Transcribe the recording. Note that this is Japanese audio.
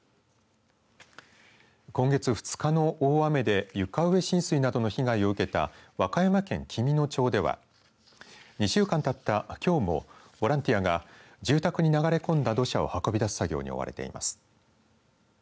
今月２日の大雨で床上浸水などの被害を受けた和歌山県紀美野町では２週間たったきょうもボランティアが住宅に流れ込んだ土砂を運び出す作業に追われています。